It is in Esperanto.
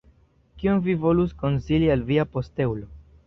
Kion vi volus konsili al via posteulo?